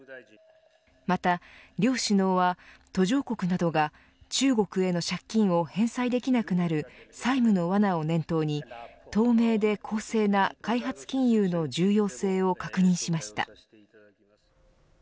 また両首脳は途上国などが中国への借金を返済できなくなる債務のワナを念頭に透明で公正な開発金融の重要性を確認しました。